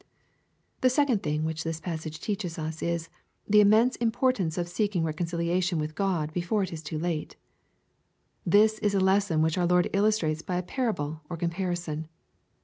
The second thing which this passage teaches us, is the immenae importance of seeking reconciliation vnth Ood before it he too late. This is a lesson which our Lord illus trates by a parjible or comparison.